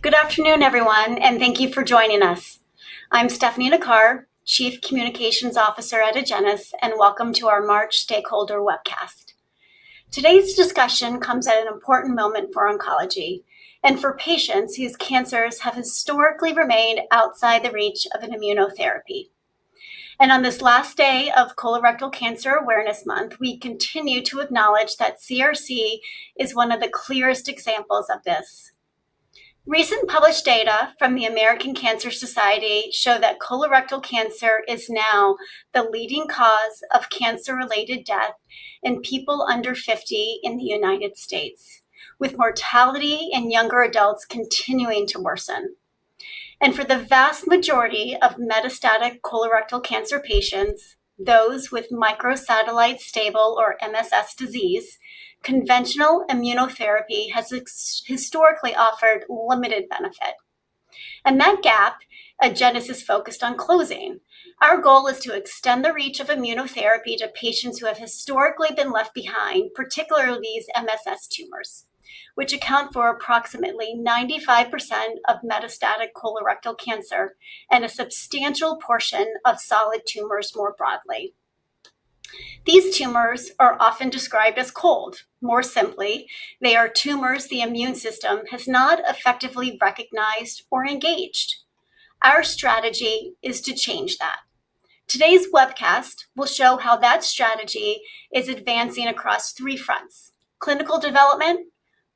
Good afternoon, everyone, and thank you for joining us. I'm Stefanie Nacar, Chief Communications Officer at Agenus, and welcome to our March stakeholder webcast. Today's discussion comes at an important moment for oncology and for patients whose cancers have historically remained outside the reach of an immunotherapy. On this last day of Colorectal Cancer Awareness Month, we continue to acknowledge that CRC is one of the clearest examples of this. Recent published data from the American Cancer Society show that colorectal cancer is now the leading cause of cancer-related death in people under 50 in the United States, with mortality in younger adults continuing to worsen. For the vast majority of metastatic colorectal cancer patients, those with microsatellite stable or MSS disease, conventional immunotherapy has historically offered limited benefit. That gap, Agenus is focused on closing. Our goal is to extend the reach of immunotherapy to patients who have historically been left behind, particularly these MSS tumors, which account for approximately 95% of metastatic colorectal cancer and a substantial portion of solid tumors more broadly. These tumors are often described as cold. More simply, they are tumors the immune system has not effectively recognized or engaged. Our strategy is to change that. Today's webcast will show how that strategy is advancing across three fronts, clinical development,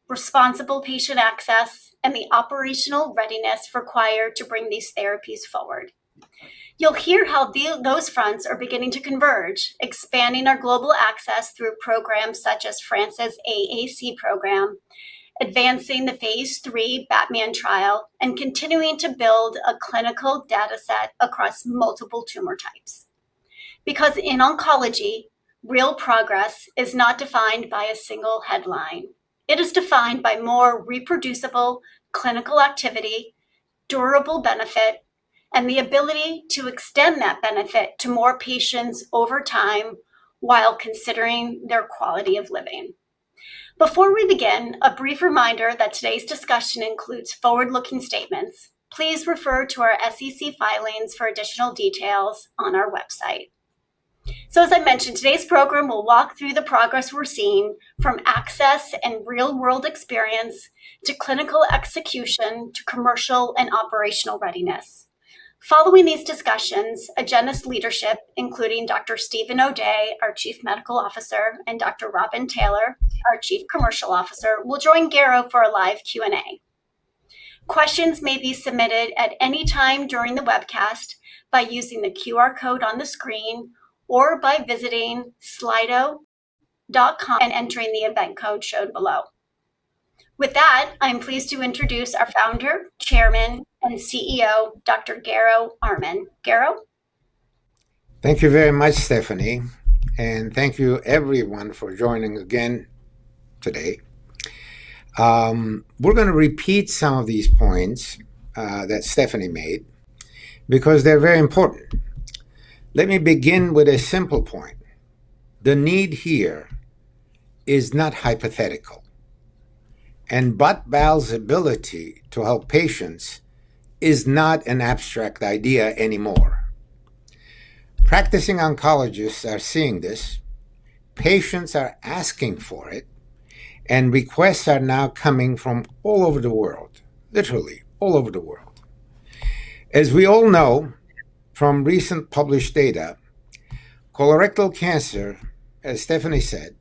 responsible patient access, and the operational readiness required to bring these therapies forward. You'll hear how those fronts are beginning to converge, expanding our global access through programs such as France's AAC program, advancing the phase III BATMAN trial, and continuing to build a clinical dataset across multiple tumor types. In oncology, real progress is not defined by a single headline. It is defined by more reproducible clinical activity, durable benefit, and the ability to extend that benefit to more patients over time while considering their quality of living. Before we begin, a brief reminder that today's discussion includes forward-looking statements. Please refer to our SEC filings for additional details on our website. As I mentioned, today's program will walk through the progress we're seeing from access and real-world experience to clinical execution to commercial and operational readiness. Following these discussions, Agenus leadership, including Dr. Steven O'Day, our Chief Medical Officer, and Dr. Robin Taylor, our Chief Commercial Officer, will join Garo for a live Q&A. Questions may be submitted at any time during the webcast by using the QR code on the screen or by visiting Slido.com And entering the event code showed below. With that, I'm pleased to introduce our founder, chairman, and CEO, Dr. Garo Armen. Garo? Thank you very much, Stefanie, and thank you everyone for joining again today. We're gonna repeat some of these points that Stefanie made because they're very important. Let me begin with a simple point. The need here is not hypothetical, and bot/bal's ability to help patients is not an abstract idea anymore. Practicing oncologists are seeing this, patients are asking for it, and requests are now coming from all over the world. Literally, all over the world. As we all know from recent published data, colorectal cancer, as Stefanie said,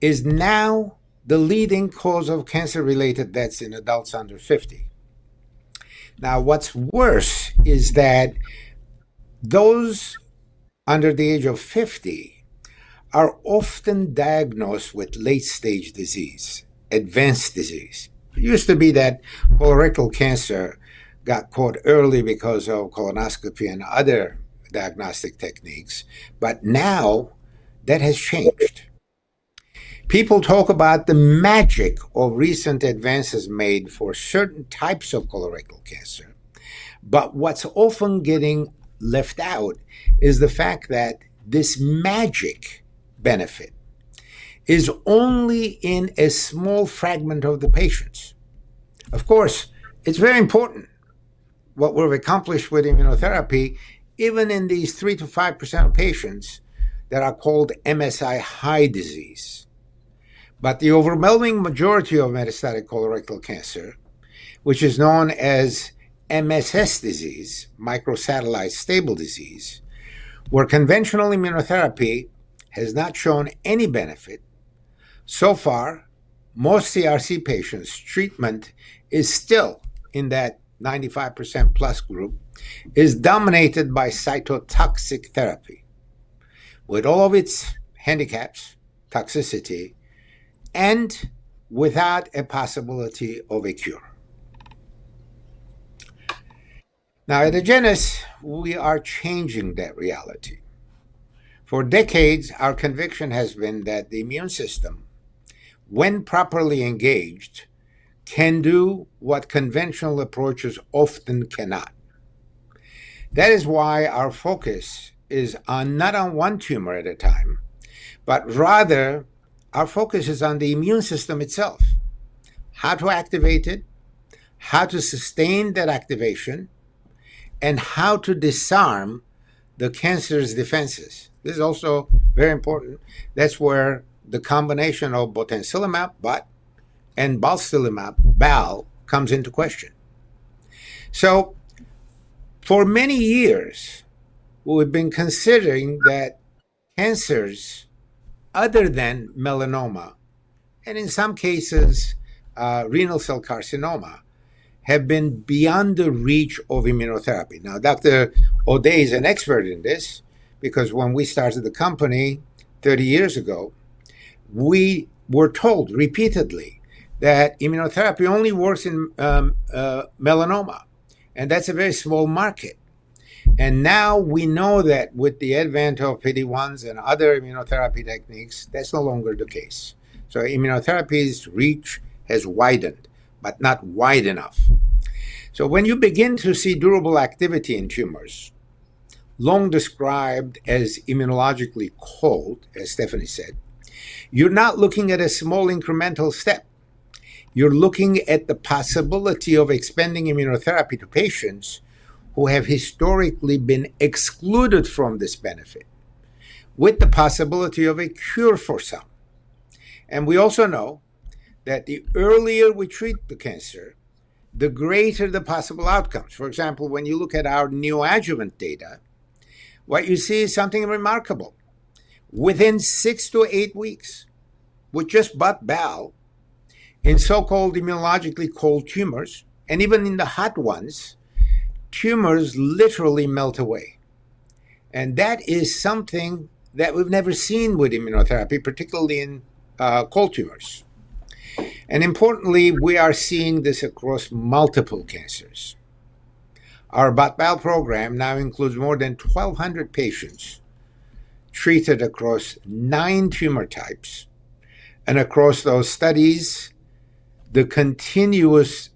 is now the leading cause of cancer-related deaths in adults under 50. Now, what's worse is that those under the age of 50 are often diagnosed with late-stage disease, advanced disease. It used to be that colorectal cancer got caught early because of colonoscopy and other diagnostic techniques, but now that has changed. People talk about the magic of recent advances made for certain types of colorectal cancer, but what's often getting left out is the fact that this magic benefit is only in a small fragment of the patients. Of course, it's very important what we've accomplished with immunotherapy, even in these 3%-5% of patients that are called MSI-high disease. The overwhelming majority of metastatic colorectal cancer, which is known as MSS disease, microsatellite stable disease, where conventional immunotherapy has not shown any benefit. So far, most CRC patients treatment is still in that 95%+ group, is dominated by cytotoxic therapy with all of its handicaps, toxicity, and without a possibility of a cure. Now at Agenus, we are changing that reality. For decades, our conviction has been that the immune system, when properly engaged, can do what conventional approaches often cannot. That is why our focus is on not on one tumor at a time, but rather our focus is on the immune system itself. How to activate it, how to sustain that activation, and how to disarm the cancer's defenses. This is also very important. That's where the combination of botensilimab, bot, and balstilimab, bal, comes into question. For many years, we've been considering that cancers other than melanoma, and in some cases, renal cell carcinoma, have been beyond the reach of immunotherapy. Now, Dr. O'Day is an expert in this because when we started the company 30 years ago, we were told repeatedly that immunotherapy only works in melanoma, and that's a very small market. Now we know that with the advent of PD-1s and other immunotherapy techniques, that's no longer the case. Immunotherapy's reach has widened, but not wide enough. When you begin to see durable activity in tumors, long described as immunologically cold, as Stefanie said, you're not looking at a small incremental step. You're looking at the possibility of expanding immunotherapy to patients who have historically been excluded from this benefit with the possibility of a cure for some. We also know that the earlier we treat the cancer, the greater the possible outcomes. For example, when you look at our neoadjuvant data, what you see is something remarkable. Within six to eight weeks, with just bot/bal in so-called immunologically cold tumors, and even in the hot ones, tumors literally melt away. That is something that we've never seen with immunotherapy, particularly in cold tumors. Importantly, we are seeing this across multiple cancers. Our bot/bal program now includes more than 1,200 patients treated across nine tumor types. Across those studies, the continuous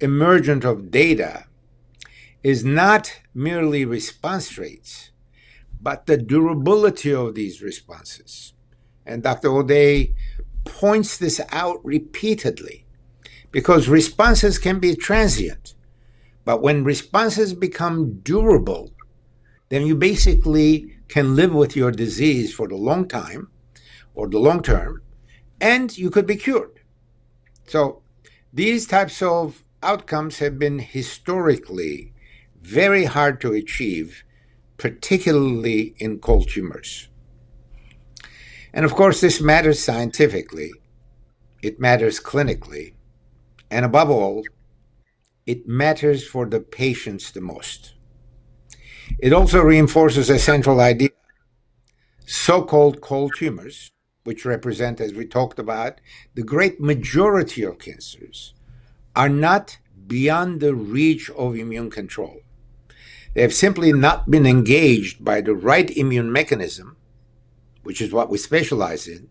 emergence of data is not merely response rates, but the durability of these responses. Dr. O'Day points this out repeatedly, because responses can be transient. When responses become durable, then you basically can live with your disease for a long time or the long term, and you could be cured. These types of outcomes have been historically very hard to achieve, particularly in cold tumors. Of course, this matters scientifically, it matters clinically, and above all, it matters for the patients the most. It also reinforces a central idea. So-called cold tumors, which represent, as we talked about, the great majority of cancers, are not beyond the reach of immune control. They have simply not been engaged by the right immune mechanism, which is what we specialize in,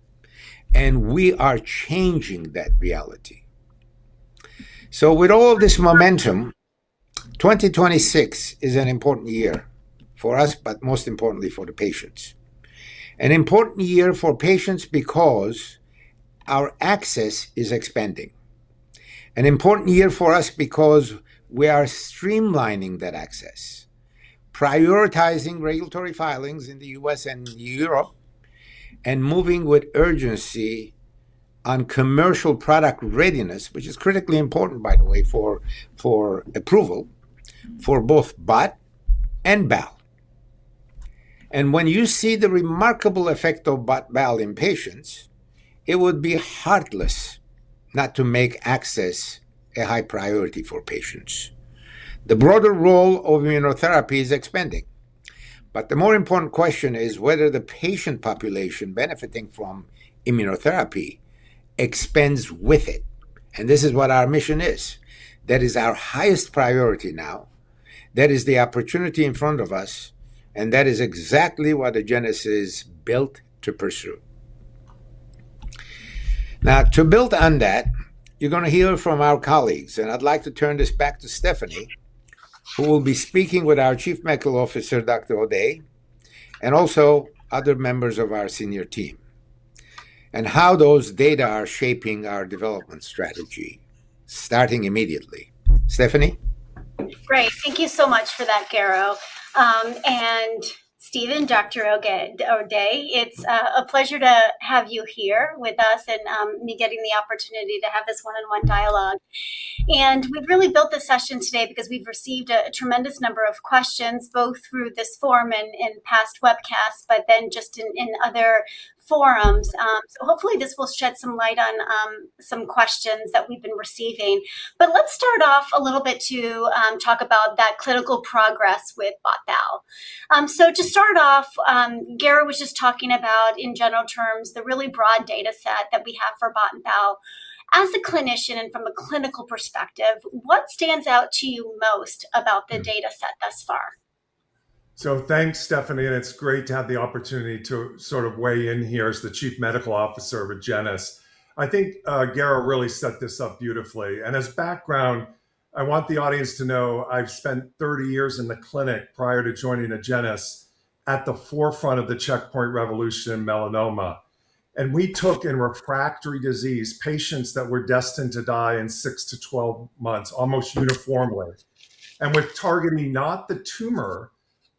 and we are changing that reality. With all this momentum, 2026 is an important year for us, but most importantly for the patients. An important year for patients because our access is expanding. An important year for us because we are streamlining that access, prioritizing regulatory filings in the US and Europe, and moving with urgency on commercial product readiness, which is critically important, by the way, for approval for both bot and bal. When you see the remarkable effect of bot/bal in patients, it would be heartless not to make access a high priority for patients. The broader role of immunotherapy is expanding, but the more important question is whether the patient population benefiting from immunotherapy expands with it, and this is what our mission is. That is our highest priority now. That is the opportunity in front of us, and that is exactly what Agenus is built to pursue. Now, to build on that, you're gonna hear from our colleagues, and I'd like to turn this back to Stefanie, who will be speaking with our Chief Medical Officer, Dr. O'Day, and also other members of our senior team, and how those data are shaping our development strategy starting immediately. Stefanie? Great. Thank you so much for that, Garo. Steven, Dr. O'Day, it's a pleasure to have you here with us and me getting the opportunity to have this one-on-one dialogue. We've really built this session today because we've received a tremendous number of questions, both through this forum and in past webcasts, but then just in other forums. Hopefully this will shed some light on some questions that we've been receiving. Let's start off a little bit to talk about that clinical progress with bot/bal. To start off, Garo was just talking about, in general terms, the really broad data set that we have for bot and bal. As a clinician and from a clinical perspective, what stands out to you most about the data set thus far? Thanks, Stefanie, and it's great to have the opportunity to weigh in here as the Chief Medical Officer of Agenus. I think, Garo really set this up beautifully. As background, I want the audience to know I've spent 30 years in the clinic prior to joining Agenus at the forefront of the checkpoint revolution in melanoma. We took in refractory disease patients that were destined to die in six to 12 months, almost uniformly. With targeting not the tumor,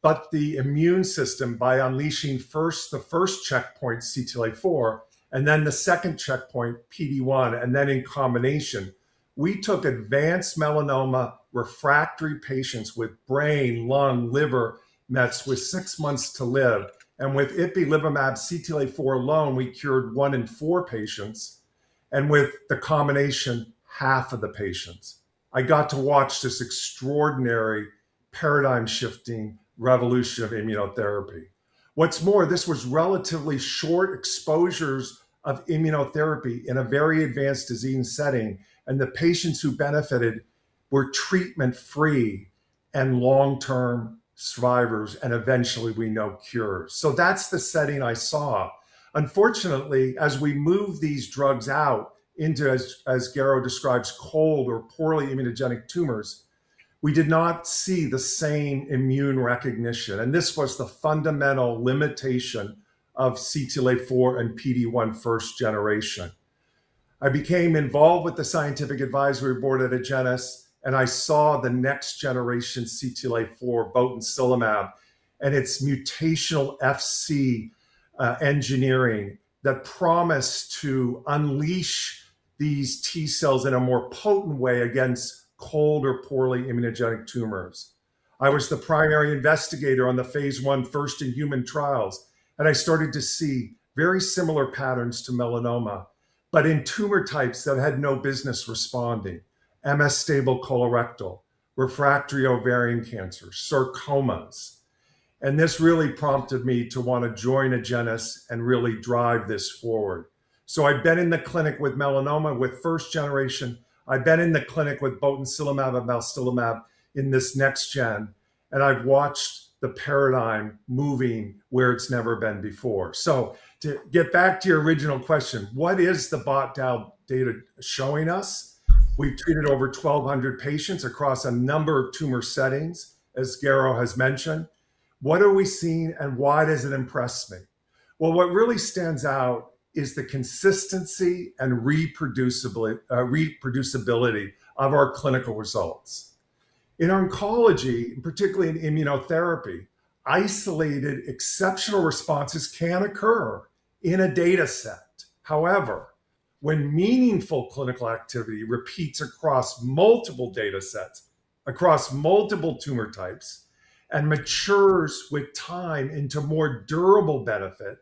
but the immune system by unleashing the first checkpoint CTLA-4 and then the second checkpoint PD-1, and then in combination, we took advanced melanoma refractory patients with brain, lung, liver mets with six months to live, and with ipilimumab CTLA-4 alone, we cured one in four patients, and with the combination, half of the patients. I got to watch this extraordinary paradigm-shifting revolution of immunotherapy. What's more, this was relatively short exposures of immunotherapy in a very advanced disease setting, and the patients who benefited were treatment-free and long-term survivors, and eventually we know cures. That's the setting I saw. Unfortunately, as we move these drugs out into, as Garo describes, cold or poorly immunogenic tumors, we did not see the same immune recognition, and this was the fundamental limitation of CTLA-4 and PD-1 first generation. I became involved with the scientific advisory board at Agenus, and I saw the next generation CTLA-4 Botensilimab and its mutated Fc engineering that promised to unleash these T cells in a more potent way against cold or poorly immunogenic tumors. I was the primary investigator on the phase I first-in-human trials, and I started to see very similar patterns to melanoma, but in tumor types that had no business responding: MSS-stable colorectal, refractory ovarian cancer, sarcomas. This really prompted me to wanna join Agenus and really drive this forward. I've been in the clinic with melanoma with first generation. I've been in the clinic with Botensilimab and Balstilimab in this next gen, and I've watched the paradigm moving where it's never been before. To get back to your original question, what is the bot/bal data showing us? We've treated over 1,200 patients across a number of tumor settings, as Garo has mentioned. What are we seeing, and why does it impress me? Well, what really stands out is the consistency and reproducibility of our clinical results. In oncology, particularly in immunotherapy, isolated exceptional responses can occur in a dataset. However, when meaningful clinical activity repeats across multiple datasets, across multiple tumor types, and matures with time into more durable benefit,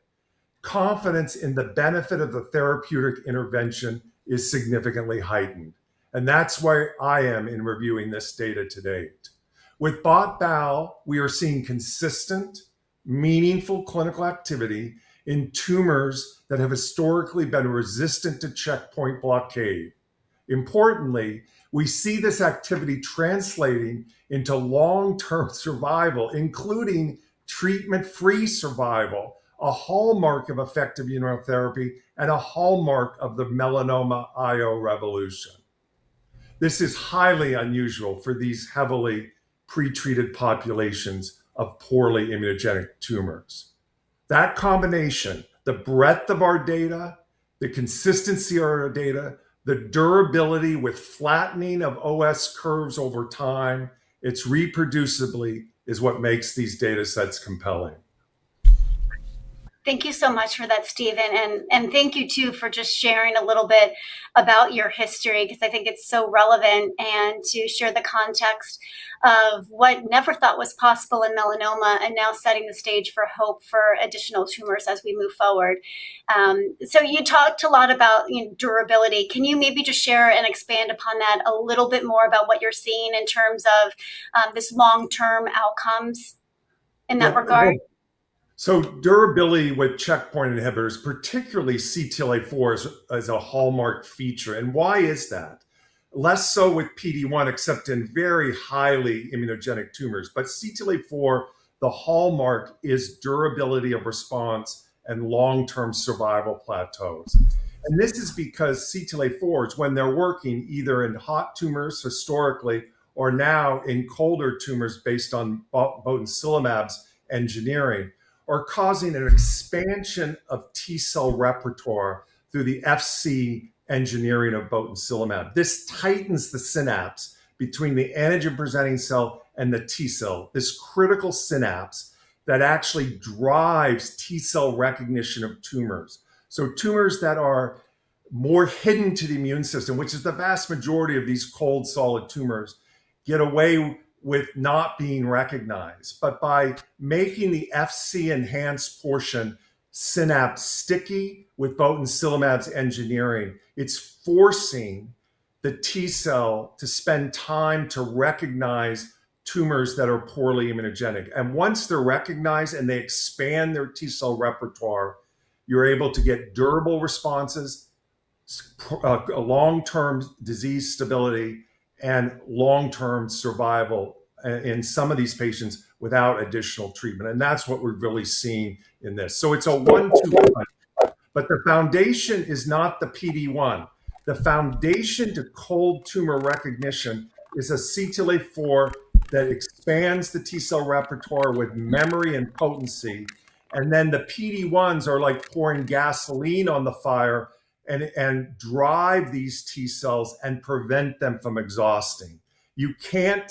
confidence in the benefit of the therapeutic intervention is significantly heightened, and that's where I am in reviewing this data to date. With bot/bal, we are seeing consistent, meaningful clinical activity in tumors that have historically been resistant to checkpoint blockade. Importantly, we see this activity translating into long-term survival, including treatment-free survival, a hallmark of effective immunotherapy and a hallmark of the melanoma IO revolution. This is highly unusual for these heavily pretreated populations of poorly immunogenic tumors. That combination, the breadth of our data, the consistency of our data, the durability with flattening of OS curves over time, it's the reproducibility that makes these datasets compelling. Thank you so much for that, Steven. Thank you too for just sharing a little bit about your history 'cause I think it's so relevant, and to share the context of what was never thought possible in melanoma and now setting the stage for hope for additional tumors as we move forward. You talked a lot about, you know, durability. Can you maybe just share and expand upon that a little bit more about what you're seeing in terms of this long-term outcomes in that regard? Durability with checkpoint inhibitors, particularly CTLA-4 as a hallmark feature. Why is that? Less so with PD-1, except in very highly immunogenic tumors. CTLA-4, the hallmark is durability of response and long-term survival plateaus. This is because CTLA-4's, when they're working either in hot tumors historically or now in colder tumors based on Botensilimab's engineering, are causing an expansion of T cell repertoire through the Fc-engineering of Botensilimab. This tightens the synapse between the antigen-presenting cell and the T cell, this critical synapse that actually drives T cell recognition of tumors. Tumors that are more hidden to the immune system, which is the vast majority of these cold solid tumors, get away with not being recognized. By making the Fc enhanced portion synapse sticky with Botensilimab's engineering, it's forcing the T cell to spend time to recognize tumors that are poorly immunogenic. Once they're recognized and they expand their T cell repertoire, you're able to get durable responses. A long-term disease stability and long-term survival in some of these patients without additional treatment, and that's what we're really seeing in this. It's a one-two punch but the foundation is not the PD-1. The foundation to cold tumor recognition is a CTLA-4 that expands the T cell repertoire with memory and potency, and then the PD-1s are like pouring gasoline on the fire and drive these T cells and prevent them from exhausting. You can't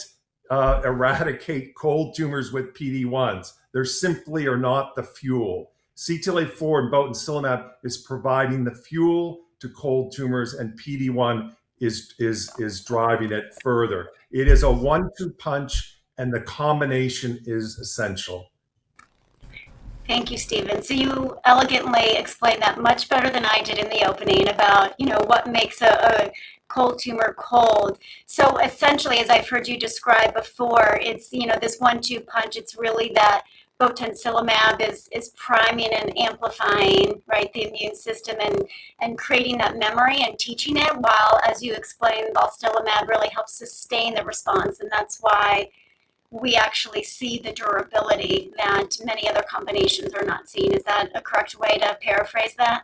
eradicate cold tumors with PD-1s. They're simply are not the fuel. CTLA-4 and Botensilimab is providing the fuel to cold tumors and PD-1 is driving it further. It is a one-two punch, and the combination is essential. Thank you, Steven. You elegantly explained that much better than I did in the opening about, you know, what makes a cold tumor cold. Essentially, as I've heard you describe before, it's, you know, this one-two punch. It's really that Botensilimab is priming and amplifying, right, the immune system and creating that memory and teaching it, as you explained, while Balstilimab really helps sustain the response, and that's why we actually see the durability that many other combinations are not seeing. Is that a correct way to paraphrase that?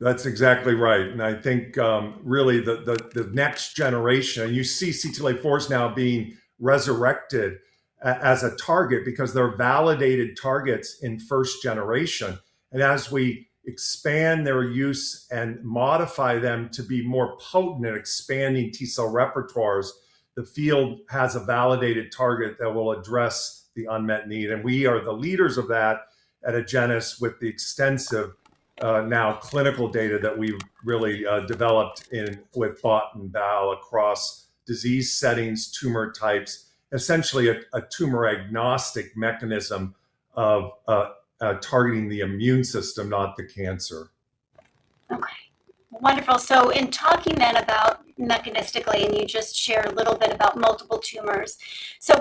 That's exactly right, and I think really the next generation, you see CTLA-4s now being resurrected as a target because they're validated targets in first generation. As we expand their use and modify them to be more potent in expanding T cell repertoires, the field has a validated target that will address the unmet need, and we are the leaders of that at Agenus with the extensive clinical data that we've really developed with bot and bal across disease settings, tumor types, essentially a tumor-agnostic mechanism of targeting the immune system, not the cancer. Okay. Wonderful. In talking then about mechanistically, and you just shared a little bit about multiple tumors.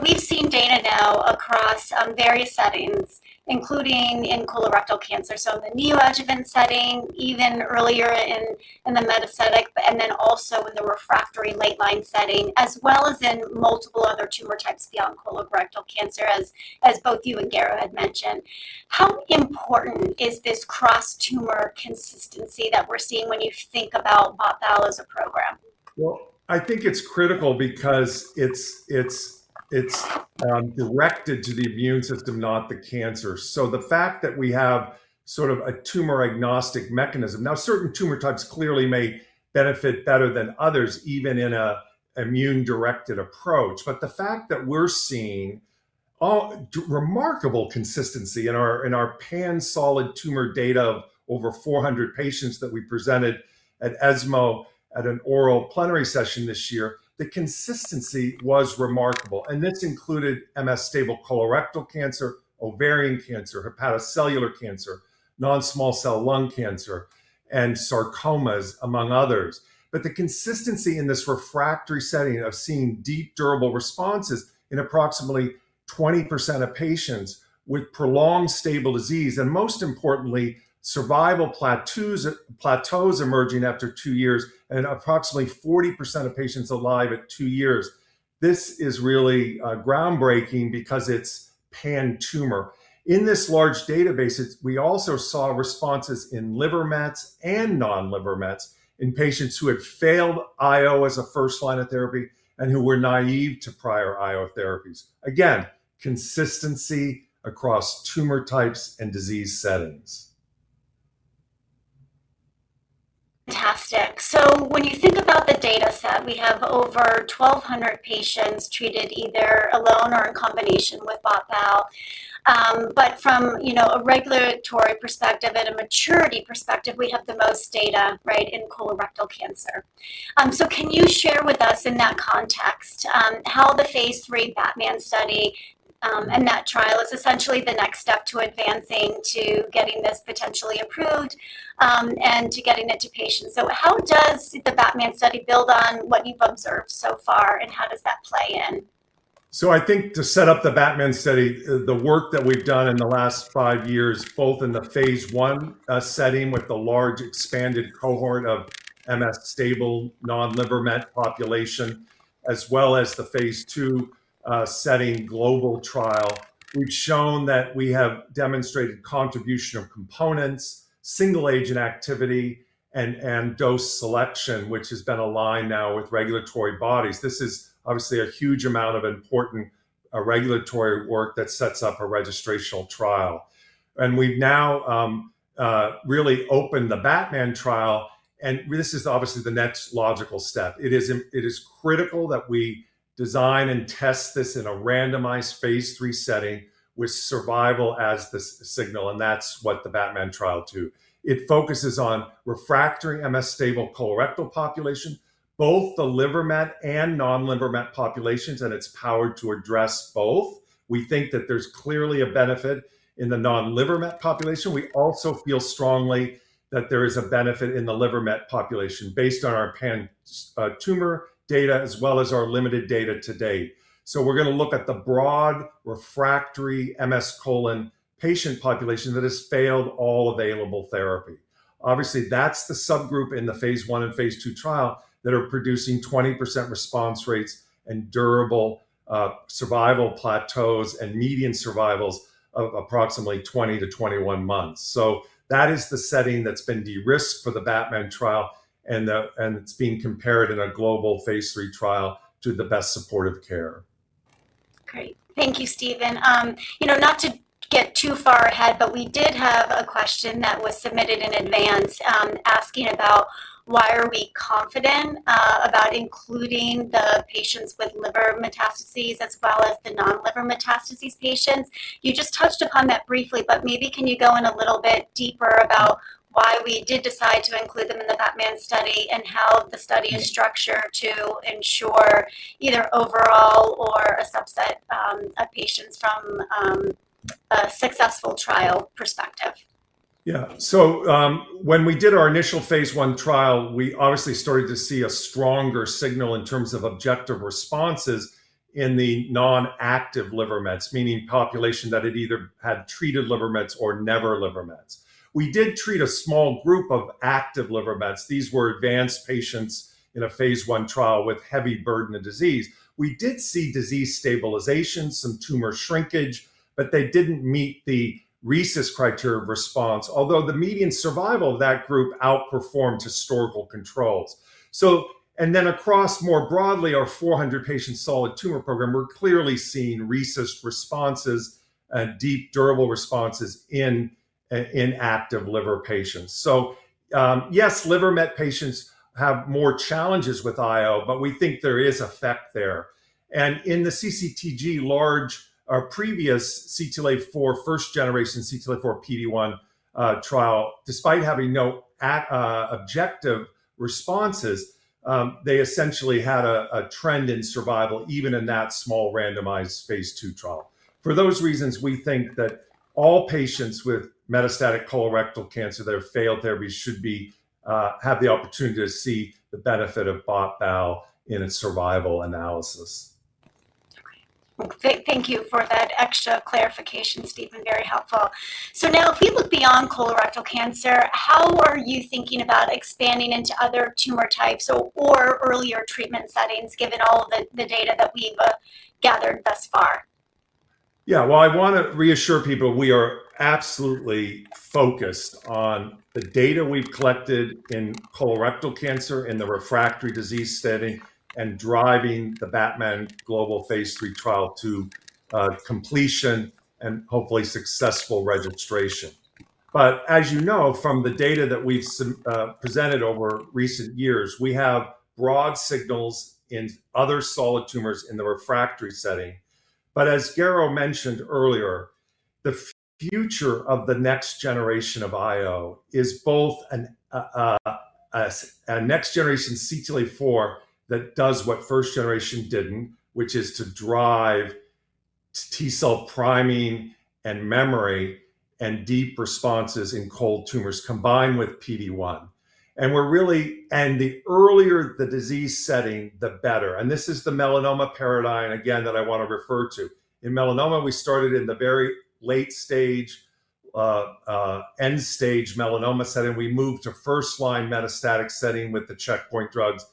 We've seen data now across various settings, including in colorectal cancer, so in the neoadjuvant setting, even earlier in the metastatic, and then also in the refractory late-line setting, as well as in multiple other tumor types beyond colorectal cancer, as both you and Garo had mentioned. How important is this cross-tumor consistency that we're seeing when you think about bot/bal as a program? Well, I think it's critical because it's directed to the immune system, not the cancer. The fact that we have sort of a tumor-agnostic mechanism, now certain tumor types clearly may benefit better than others, even in a immune-directed approach, but the fact that we're seeing remarkable consistency in our pan-tumor data of over 400 patients that we presented at ESMO at an oral plenary session this year, the consistency was remarkable, and this included MSS-stable colorectal cancer, ovarian cancer, hepatocellular cancer, non-small cell lung cancer, and sarcomas, among others. The consistency in this refractory setting of seeing deep durable responses in approximately 20% of patients with prolonged stable disease, and most importantly, survival plateaus emerging after two years and approximately 40% of patients alive at two years. This is really groundbreaking because it's pan-tumor. In this large database, we also saw responses in liver mets and non-liver mets in patients who had failed IO as a 1st-line of therapy and who were naive to prior IO therapies. Again, consistency across tumor types and disease settings. Fantastic. When you think about the dataset, we have over 1,200 patients treated either alone or in combination with bot/bal. From you know, a regulatory perspective and a maturity perspective, we have the most data, right, in colorectal cancer. Can you share with us in that context, how the phase III BATMAN study, and that trial is essentially the next step to advancing to getting this potentially approved, and to getting it to patients. How does the BATMAN study build on what you've observed so far, and how does that play in? I think to set up the BATMAN study, the work that we've done in the last five years, both in the phase I setting with the large expanded cohort of MSS non-liver met population, as well as the phase II setting global trial, we've shown that we have demonstrated contribution of components, single agent activity, and dose selection, which has been aligned now with regulatory bodies. This is obviously a huge amount of important regulatory work that sets up a registrational trial. We've now really opened the BATMAN trial, and this is obviously the next logical step. It is critical that we design and test this in a randomized phase III setting with survival as the signal, and that's what the BATMAN trial too. It focuses on refractory MSS colorectal population, both the liver met and non-liver met populations, and it's powered to address both. We think that there's clearly a benefit in the non-liver met population. We also feel strongly that there is a benefit in the liver met population based on our pan-tumor data as well as our limited data to date. We're gonna look at the broad refractory MSS colon patient population that has failed all available therapy. Obviously, that's the subgroup in the phase I and phase II trial that are producing 20% response rates and durable survival plateaus and median survivals of approximately 20-21 months. That is the setting that's been de-risked for the BATMAN trial, and it's being compared in a global phase III trial to the best supportive care. Great. Thank you, Steven. You know, not to get too far ahead, but we did have a question that was submitted in advance, asking about why are we confident about including the patients with liver metastases as well as the non-liver metastases patients. You just touched upon that briefly, but maybe can you go in a little bit deeper about why we did decide to include them in the BATMAN study and how the study is structured to ensure either overall or a subset of patients from a successful trial perspective? Yeah. When we did our initial phase I trial, we obviously started to see a stronger signal in terms of objective responses in the non-active liver mets, meaning population that had either treated liver mets or never liver mets. We did treat a small group of active liver mets. These were advanced patients in a phase I trial with heavy burden of disease. We did see disease stabilization, some tumor shrinkage, but they didn't meet the RECIST criteria of response, although the median survival of that group outperformed historical controls. Across more broadly, our 400 patient solid tumor program, we're clearly seeing RECIST responses, deep durable responses in active liver patients. Yes, liver met patients have more challenges with IO, but we think there is effect there. In the CCTG large or previous CTLA-4 1st-generation CTLA-4 PD-1 trial, despite having no objective responses, they essentially had a trend in survival even in that small randomized phase II trial. For those reasons, we think that all patients with metastatic colorectal cancer that have failed therapy should have the opportunity to see the benefit of bot/bal in a survival analysis. Great. Thank you for that extra clarification, Steven. Very helpful. Now if we look beyond colorectal cancer, how are you thinking about expanding into other tumor types or earlier treatment settings given all the data that we've gathered thus far? Well, I want to reassure people we are absolutely focused on the data we've collected in colorectal cancer in the refractory disease setting and driving the BATMAN global phase III trial to completion and hopefully successful registration. As you know from the data that we've presented over recent years, we have broad signals in other solid tumors in the refractory setting. As Garo mentioned earlier, the future of the next generation of IO is a next generation CTLA-4 that does what first generation didn't, which is to drive T cell priming and memory and deep responses in cold tumors combined with PD-1. The earlier the disease setting, the better. This is the melanoma paradigm again that I want to refer to. In melanoma, we started in the very late stage end stage melanoma setting. We moved to 1st line metastatic setting with the checkpoint drugs.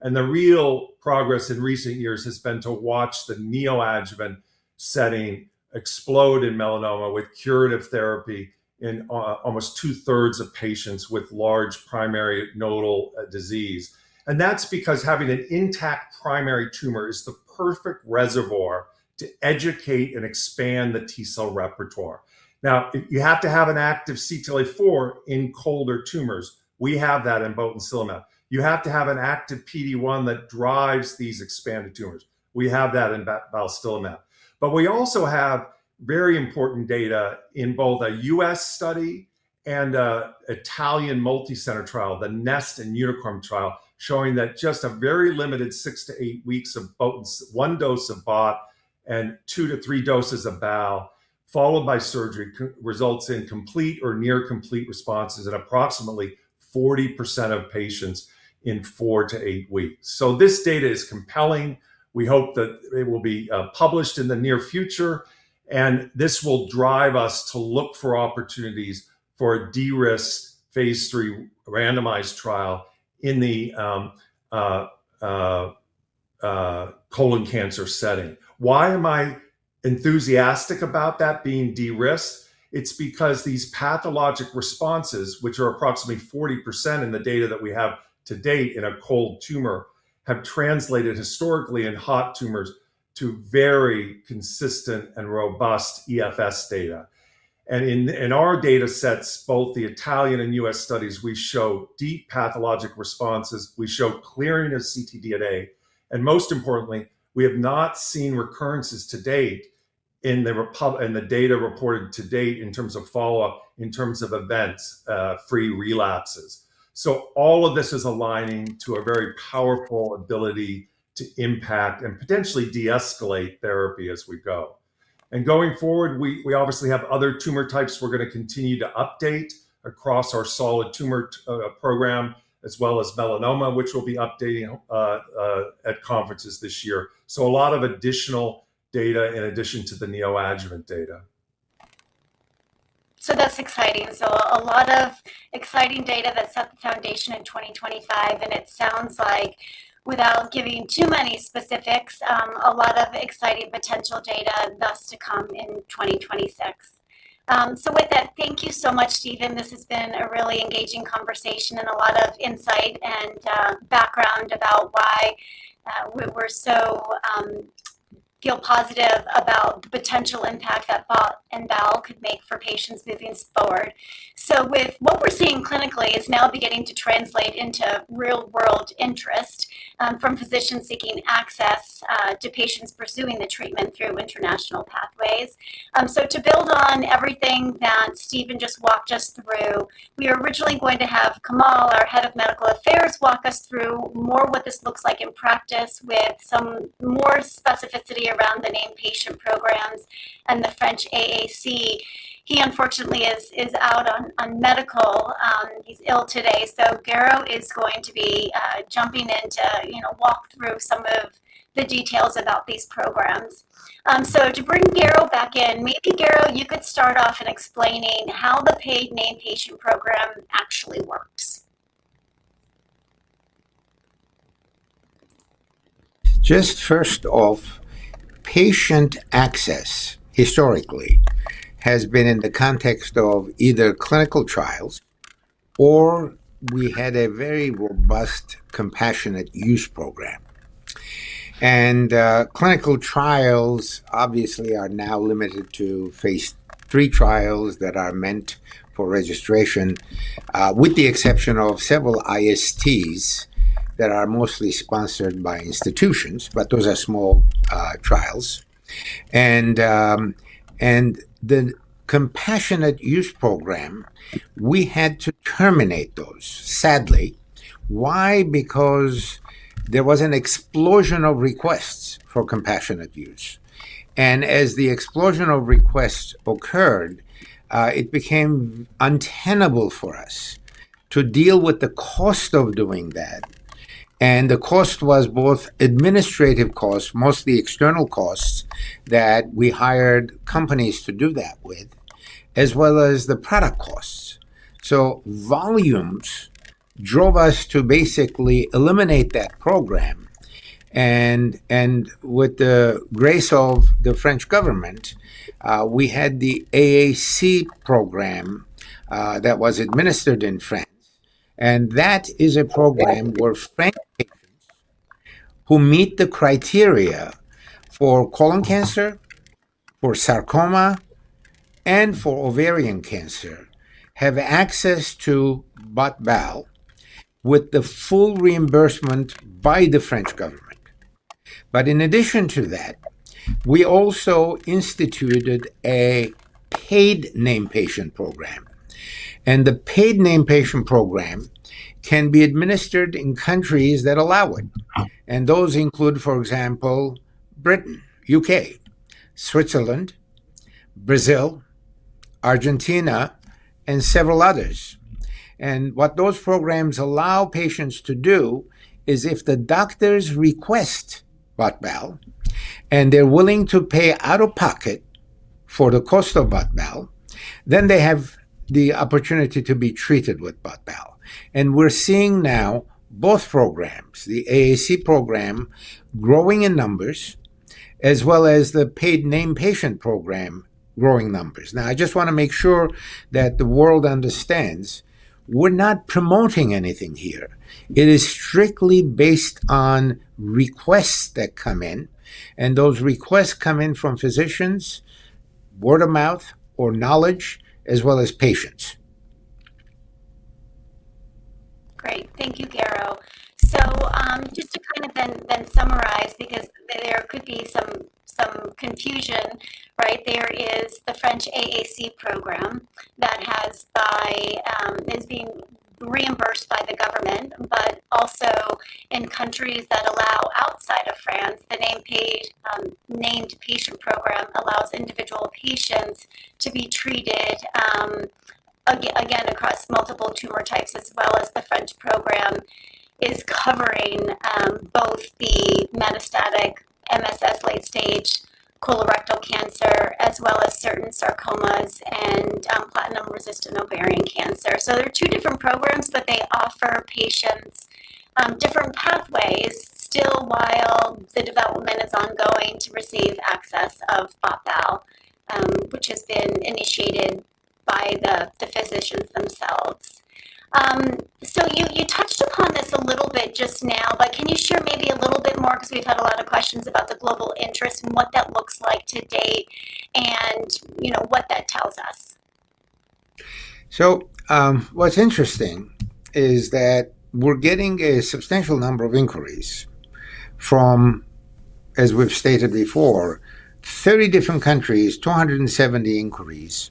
The real progress in recent years has been to watch the neoadjuvant setting explode in melanoma with curative therapy in almost two-thirds of patients with large primary nodal disease. That's because having an intact primary tumor is the perfect reservoir to educate and expand the T cell repertoire. Now, you have to have an active CTLA-4 in colder tumors. We have that in Botensilimab. You have to have an active PD-1 that drives these expanded tumors. We have that in Balstilimab. We also have very important data in both a US study and an Italian multicenter trial, the NEST and UNICORN trials, showing that just a very limited six to eight weeks of one dose of bot and two to three doses of bal followed by surgery results in complete or near complete responses at approximately 40% of patients in four to eight weeks. This data is compelling. We hope that it will be published in the near future, and this will drive us to look for opportunities for de-risk phase III randomized trial in the colon cancer setting. Why am I enthusiastic about that being de-risk? It's because these pathologic responses, which are approximately 40% in the data that we have to date in a cold tumor, have translated historically in hot tumors to very consistent and robust EFS data. In our data sets, both the Italian and US studies, we show deep pathologic responses. We show clearing of ctDNA. Most importantly, we have not seen recurrences to date in the data reported to date in terms of follow-up, in terms of events, free relapses. All of this is aligning to a very powerful ability to impact and potentially deescalate therapy as we go. Going forward, we obviously have other tumor types we're gonna continue to update across our solid tumor program as well as melanoma, which we'll be updating at conferences this year. A lot of additional data in addition to the neoadjuvant data. That's exciting. A lot of exciting data that set the foundation in 2025, and it sounds like without giving too many specifics, a lot of exciting potential data thus to come in 2026. With that, thank you so much, Steven. This has been a really engaging conversation and a lot of insight and background about why we were so feel positive about the potential impact that bot and bal could make for patients moving us forward. With what we're seeing clinically is now beginning to translate into real-world interest from physicians seeking access to patients pursuing the treatment through international pathways. To build on everything that Steven just walked us through, we were originally going to have Kamel, our head of medical affairs, walk us through more what this looks like in practice with some more specificity around the named patient programs and the French AAC. He unfortunately is out on medical. He's ill today, so Garo is going to be jumping in to, you know, walk through some of the details about these programs. To bring Garo back in, maybe, Garo, you could start off in explaining how the paid named patient program actually works. Just 1st off, patient access historically has been in the context of either clinical trials or we had a very robust compassionate use program. Clinical trials obviously are now limited to phase III trials that are meant for registration, with the exception of several ISTs that are mostly sponsored by institutions, but those are small trials. The Compassionate Use Program, we had to terminate those, sadly. Why? Because there was an explosion of requests for compassionate use. As the explosion of requests occurred, it became untenable for us to deal with the cost of doing that. The cost was both administrative costs, mostly external costs that we hired companies to do that with, as well as the product costs. Volumes drove us to basically eliminate that program. With the grace of the French government, we had the AAC program that was administered in France. That is a program where French patients who meet the criteria for colon cancer, for sarcoma, and for ovarian cancer have access to bot/bal with the full reimbursement by the French government. In addition to that, we also instituted a paid named patient program. The paid named patient program can be administered in countries that allow it. Those include, for example, Britain, U.K., Switzerland, Brazil, Argentina, and several others. What those programs allow patients to do is if the doctors request bot/bal and they're willing to pay out of pocket for the cost of bot/bal, then they have the opportunity to be treated with bot/bal. We're seeing now both programs, the AAC program growing in numbers, as well as the paid named patient program growing numbers. Now, I just want to make sure that the world understands we're not promoting anything here. It is strictly based on requests that come in, and those requests come in from physicians, word of mouth or knowledge, as well as patients. Great. Thank you, Garo. Just to kind of then summarize because there could be some confusion, right? There is the French AAC program that is being reimbursed by the government, but also in countries that allow outside of France, the named patient program allows individual patients to be treated again across multiple tumor types as well as the French program is covering both the metastatic MSS late stage colorectal cancer as well as certain sarcomas and platinum-resistant ovarian cancer. They are two different programs, but they offer patients different pathways still while the development is ongoing to receive access to bot/bal, which has been initiated by the physicians themselves. You touched upon this a little bit just now, but can you share maybe a little bit more because we've had a lot of questions about the global interest and what that looks like to date and, you know, what that tells us? What's interesting is that we're getting a substantial number of inquiries from, as we've stated before, 30 different countries, 270 inquiries,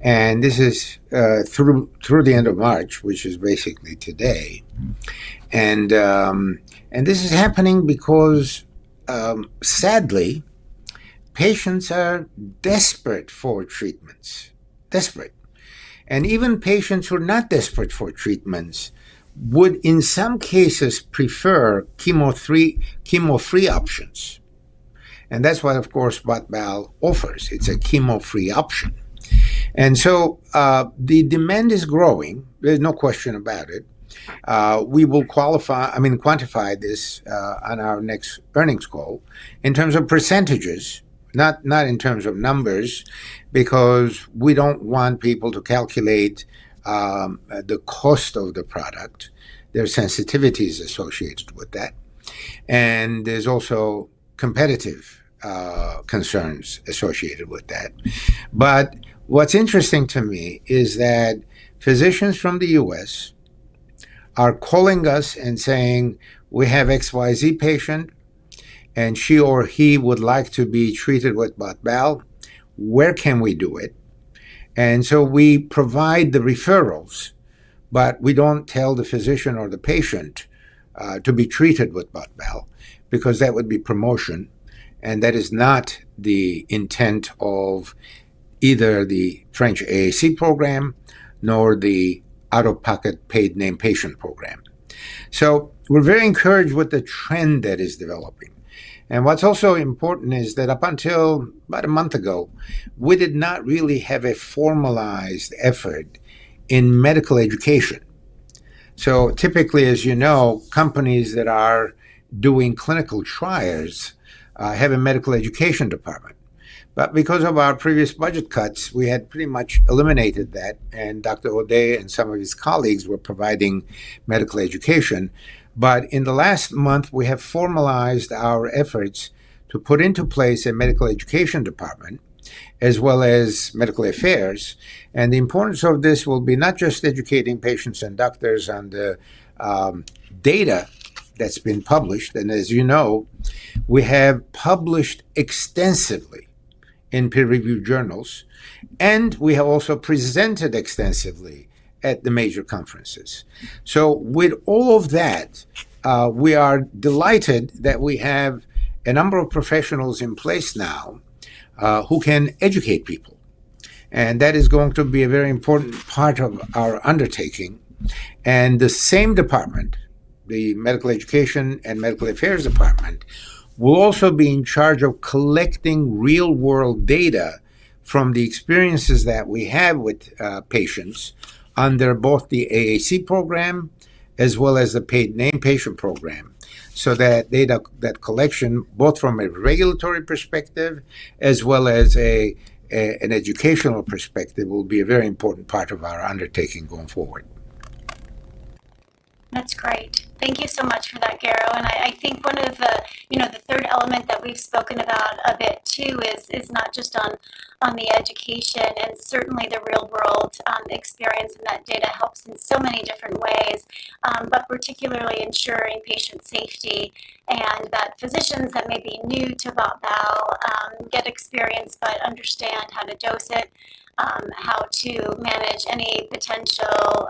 and this is through the end of March, which is basically today. This is happening because sadly, patients are desperate for treatments. Desperate. Even patients who are not desperate for treatments would, in some cases, prefer chemo-free options. That's what, of course, bot/bal offers. It's a chemo-free option. The demand is growing. There's no question about it. We will quantify this on our next earnings call in terms of percentages, not in terms of numbers, because we don't want people to calculate the cost of the product. There are sensitivities associated with that, and there's also competitive concerns associated with that. What's interesting to me is that physicians from the US are calling us and saying, We have XYZ patient, and she or he would like to be treated with bot/bal. Where can we do it? We provide the referrals, but we don't tell the physician or the patient to be treated with bot/bal because that would be promotion, and that is not the intent of either the French AAC program nor the out-of-pocket paid named patient program. We're very encouraged with the trend that is developing. What's also important is that up until about a month ago, we did not really have a formalized effort in medical education. Typically, as you know, companies that are doing clinical trials have a medical education department. Because of our previous budget cuts, we had pretty much eliminated that, and Dr. Steven O'Day and some of his colleagues were providing medical education. In the last month, we have formalized our efforts to put into place a medical education department as well as medical affairs. The importance of this will be not just educating patients and doctors on the data that's been published, and as you know, we have published extensively in peer-reviewed journals, and we have also presented extensively at the major conferences. With all of that, we are delighted that we have a number of professionals in place now, who can educate people, and that is going to be a very important part of our undertaking. The same department, the medical education and medical affairs department, will also be in charge of collecting real-world data from the experiences that we have with patients under both the AAC program as well as the paid named patient program. That data, that collection, both from a regulatory perspective as well as an educational perspective, will be a very important part of our undertaking going forward. That's great. Thank you so much for that, Garo. I think one of the, you know, the third element that we've spoken about a bit too is not just on the education and certainly the real-world experience, and that data helps in so many different ways, but particularly ensuring patient safety and that physicians that may be new to bot/bal get experience but understand how to dose it, how to manage any potential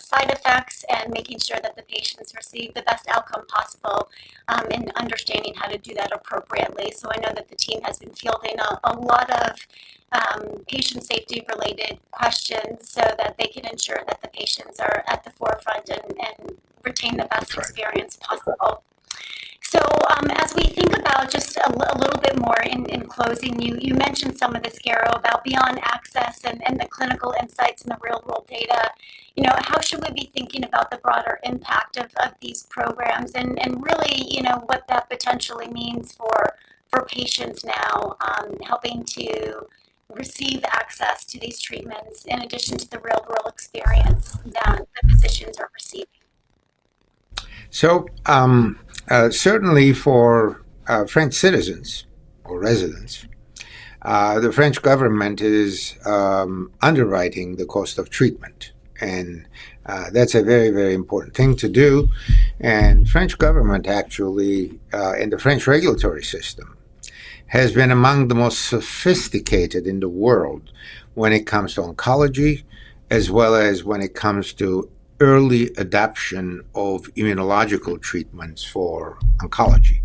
side effects and making sure that the patients receive the best outcome possible, and understanding how to do that appropriately. I know that the team has been fielding a lot of patient safety-related questions so that they can ensure that the patients are at the forefront and retain the best That's right. experience possible. As we think about just a little bit more in closing, you mentioned some of this, Garo, about beyond access and the clinical insights and the real-world data. You know, how should we be thinking about the broader impact of these programs and really, you know, what that potentially means for patients now helping to receive access to these treatments in addition to the real-world experience that the physicians are receiving? Certainly for French citizens or residents, the French government is underwriting the cost of treatment, and that's a very, very important thing to do. French government actually and the French regulatory system has been among the most sophisticated in the world when it comes to oncology as well as when it comes to early adoption of immunological treatments for oncology.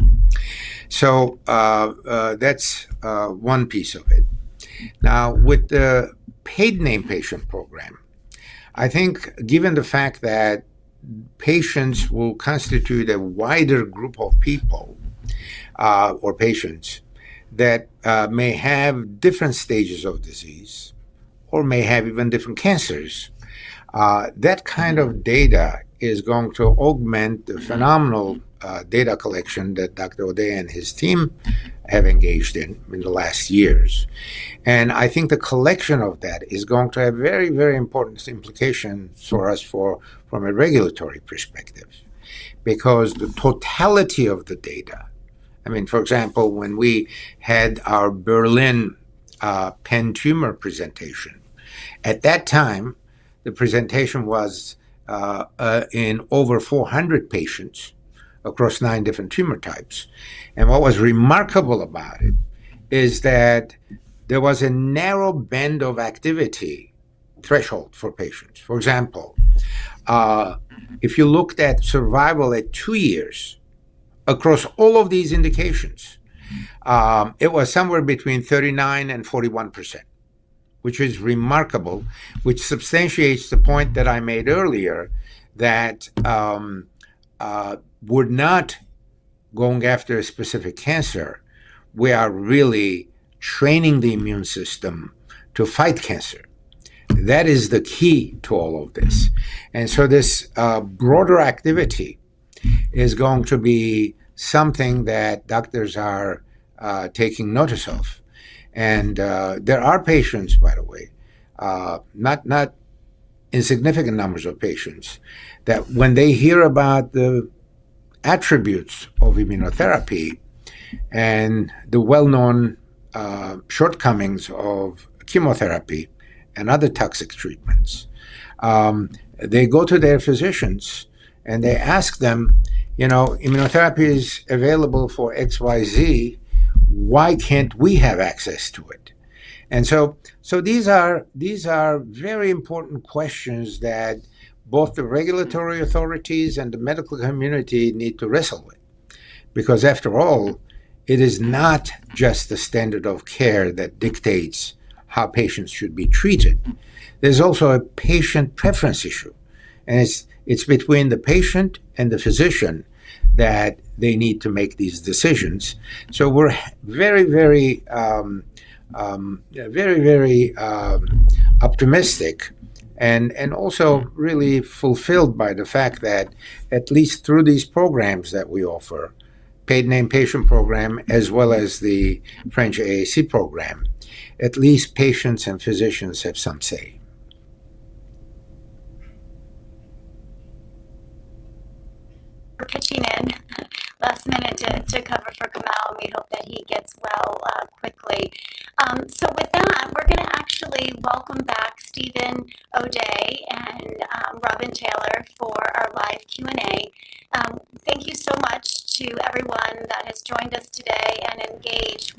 That's one piece of it. Now, with the named patient program, I think given the fact that patients will constitute a wider group of people, or patients that may have different stages of disease or may have even different cancers, that kind of data is going to augment the phenomenal data collection that Dr. O'Day and his team have engaged in the last years. I think the collection of that is going to have very, very important implications for us from a regulatory perspective because the totality of the data. I mean, for example, when we had our Berlin pan-tumor presentation, at that time, the presentation was in over 400 patients across nine different tumor types. What was remarkable about it is that there was a narrow band of activity threshold for patients. For example, if you looked at survival at two years across all of these indications, it was somewhere between 39% and 41%, which is remarkable, which substantiates the point that I made earlier that we're not going after a specific cancer. We are really training the immune system to fight cancer. That is the key to all of this. This broader activity is going to be something that doctors are taking notice of. There are patients, by the way, not insignificant numbers of patients, that when they hear about the attributes of immunotherapy and the well-known shortcomings of chemotherapy and other toxic treatments, they go to their physicians, and they ask them, you know, Immunotherapy is available for XYZ, why can't we have access to it? These are very important questions that both the regulatory authorities and the medical community need to wrestle with because after all, it is not just the standard of care that dictates how patients should be treated. There's also a patient preference issue, and it's between the patient and the physician that they need to make these decisions. We're very optimistic and also really fulfilled by the fact that at least through these programs that we offer, Paid Named Patient Program, as well as the French AAC program, at least patients and physicians have some say. We're pitching in last minute to cover for Kamel. We hope that he gets well quickly. With that, we're gonna actually welcome back Steven O'Day and Robin Taylor for our live Q&A. Thank you so much to everyone that has joined us today and engaged.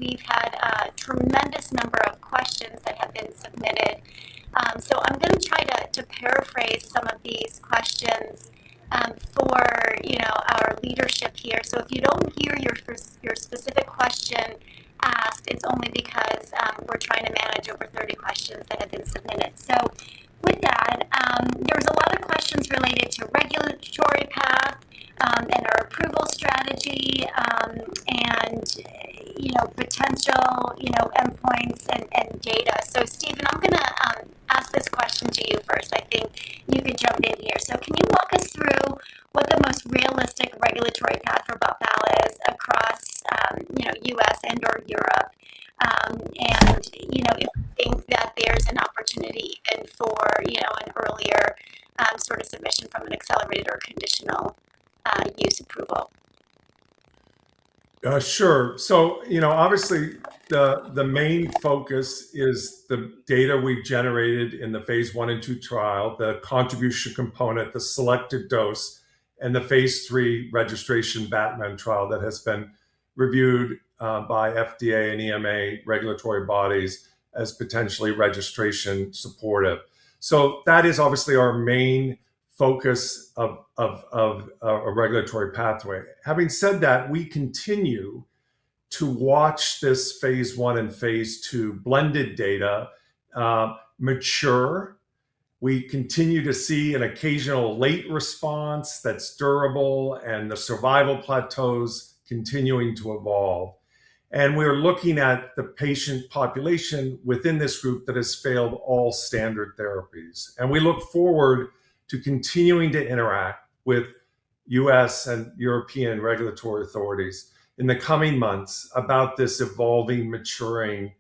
focus of a regulatory pathway. Having said that, we continue to watch this phase I and II blended data mature. We continue to see an occasional late response that's durable and the survival plateaus continuing to evolve. We're looking at the patient population within this group that has failed all standard therapies. We look forward to continuing to interact with US and European regulatory authorities in the coming months about this evolving, maturing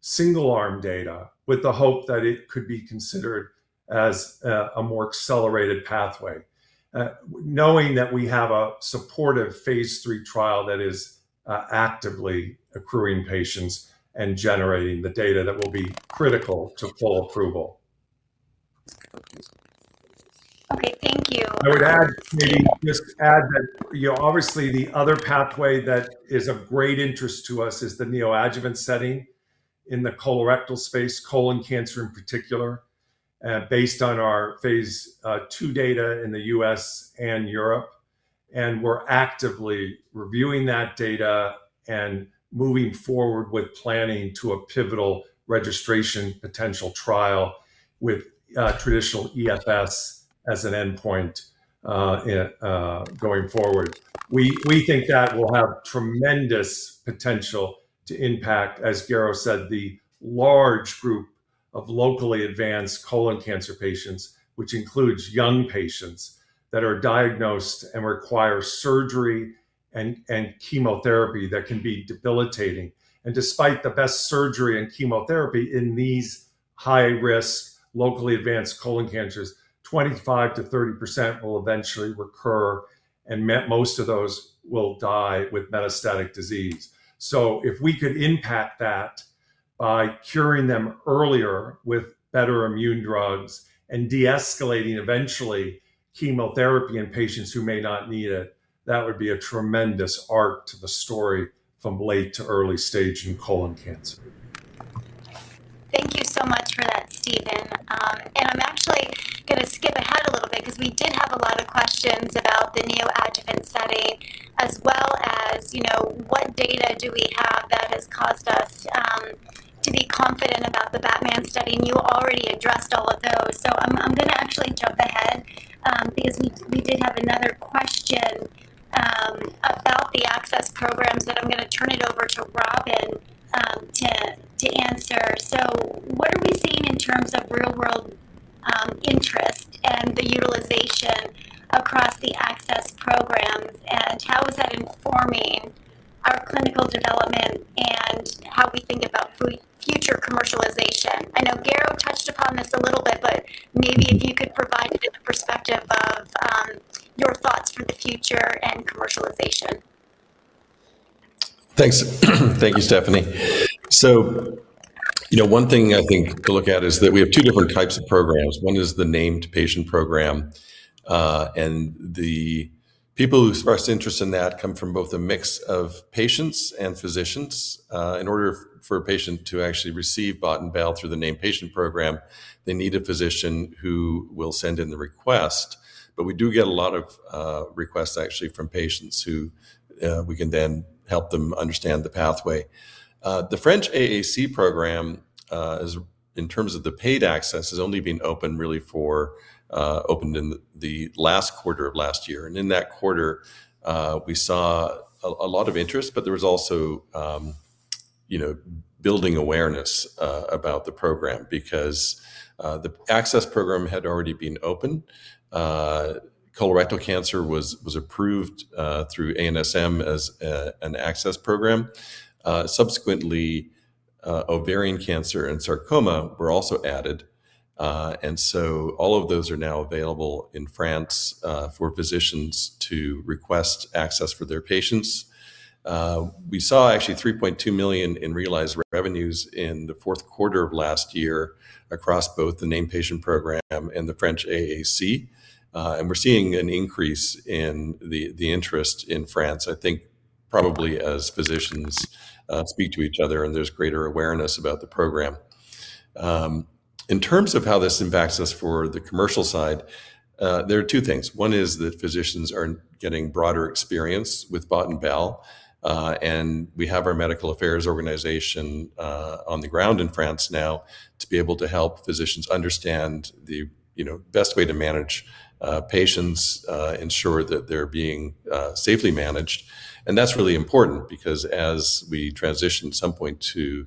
single-arm data with the hope that it could be considered as a more accelerated pathway. Knowing that we have a supportive phase III trial that is actively accruing patients and generating the data that will be critical to full approval. Okay. Thank you. I would add maybe, just add that, you know, obviously the other pathway that is of great interest to us is the neoadjuvant setting in the colorectal space, colon cancer in particular, based on our phase II data in the US and Europe. We're actively reviewing that data and moving forward with planning to a pivotal registration potential trial with traditional EFS as an endpoint going forward. We think that will have tremendous potential to impact, as Garo said, the large group of locally advanced colon cancer patients, which includes young patients that are diagnosed and require surgery and chemotherapy that can be debilitating. Despite the best surgery and chemotherapy in these high-risk, locally advanced colon cancers, 25%-30% will eventually recur, and most of those will die with metastatic disease. If we could impact that by curing them earlier with better immune drugs and deescalating eventually chemotherapy in patients who may not need it, that would be a tremendous arc to the story from late to early stage in colon cancer. Thanks. Thank you, Stefanie. You know, one thing I think to look at is that we have two different types of programs. One is the named patient program, and the people who expressed interest in that come from both a mix of patients and physicians. In order for a patient to actually receive bot/bal through the named patient program, they need a physician who will send in the request. But we do get a lot of requests actually from patients who we can then help them understand the pathway. The French AAC program, in terms of the paid access, has only been open really for the last quarter of last year. In that quarter, we saw a lot of interest, but there was also, you know, building awareness about the program because the access program had already been opened. Colorectal cancer was approved through ANSM as an access program. Subsequently, ovarian cancer and sarcoma were also added. All of those are now available in France for physicians to request access for their patients. We saw actually $3.2 million in realized revenues in the Q4 of last year across both the named patient program and the French AAC. We're seeing an increase in the interest in France, I think probably as physicians speak to each other and there's greater awareness about the program. In terms of how this impacts us for the commercial side, there are two things. One is that physicians are getting broader experience with bot and bal, and we have our medical affairs organization on the ground in France now to be able to help physicians understand the, you know, best way to manage patients, ensure that they're being safely managed. That's really important because as we transition at some point to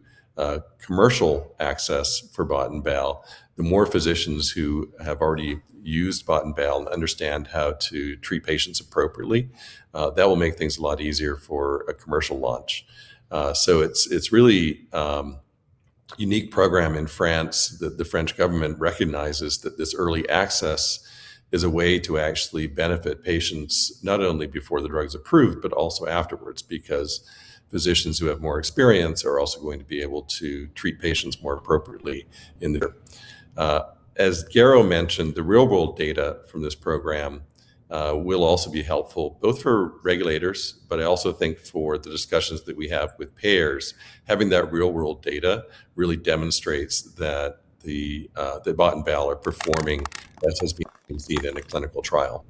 commercial access for bot and bal, the more physicians who have already used bot and bal understand how to treat patients appropriately, that will make things a lot easier for a commercial launch. It's really a unique program in France that the French government recognizes that this early access is a way to actually benefit patients, not only before the drug is approved, but also afterwards, because physicians who have more experience are also going to be able to treat patients more appropriately in the. As Garo mentioned, the real-world data from this program will also be helpful both for regulators, but I also think for the discussions that we have with payers. Having that real-world data really demonstrates that the bot and bal are performing as has been seen in a clinical trial.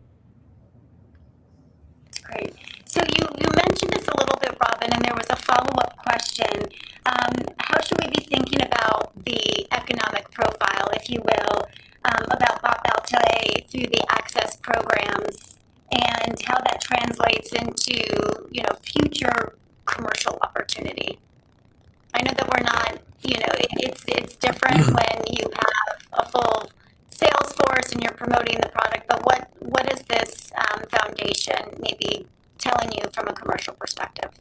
That's great. So you mentioned this a little bit, Robin, and there was a follow-up question. How should we be thinking about the economic profile, if you will, about bot/bal today through the access programs and how that translates into, you know, future commercial opportunity? I know that we're not. You know, it's different when you have a full sales force and you're promoting the product, but what is this foundation maybe telling you from a commercial perspective?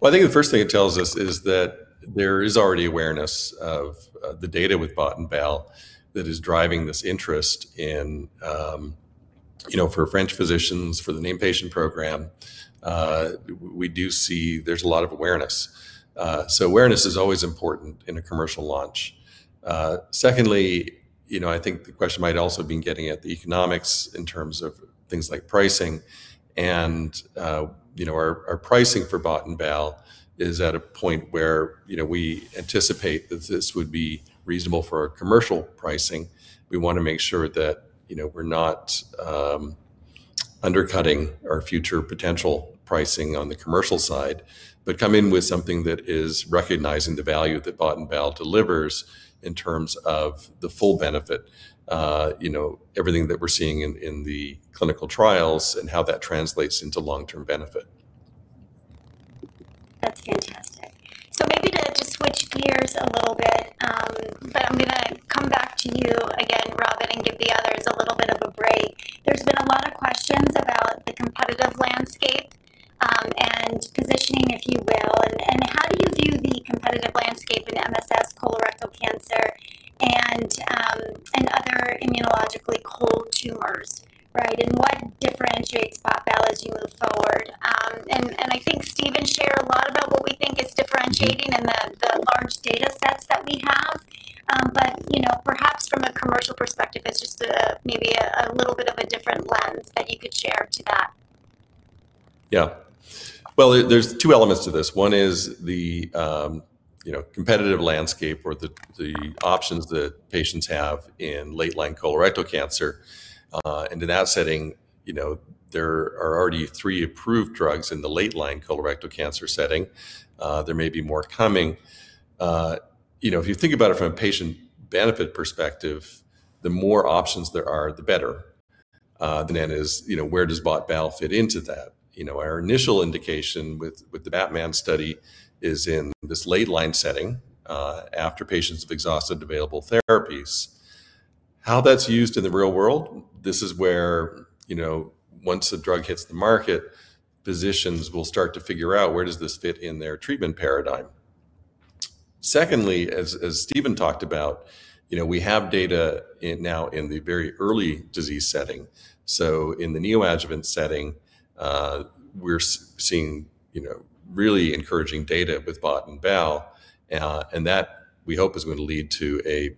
Well, I think the first thing it tells us is that there is already awareness of the data with bot and bal that is driving this interest in for French physicians, for the named patient program. We do see there's a lot of awareness. Awareness is always important in a commercial launch. Secondly, you know, I think the question might also been getting at the economics in terms of things like pricing and, you know, our pricing for bot and bal is at a point where we anticipate that this would be reasonable for our commercial pricing. We wanna make sure that we're not undercutting our future potential pricing on the commercial side, but come in with something that is recognizing the value that bot and bal delivers in terms of the full benefit, you know, everything that we're seeing in the clinical trials and how that translates into long-term benefit. Our initial indication with the BATMAN study is in this late-line setting, after patients have exhausted available therapies. How that's used in the real world, this is where you know, once the drug hits the market, physicians will start to figure out where does this fit in their treatment paradigm. Secondly, Steven talked about, you know, we have data in the very early disease setting. In the neoadjuvant setting, we're seeing, you know, really encouraging data with bot and bal, and that we hope is going to lead to a